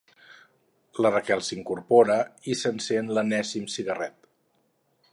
La Raquel s'incorpora i s'encén l'enèsim cigarret.